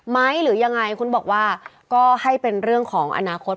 หรือยังไงคุณบอกว่าก็ให้เป็นเรื่องของอนาคต